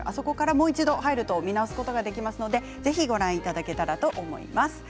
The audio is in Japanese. もう一度入ると見直すことができますのでぜひご覧いただけたらと思います。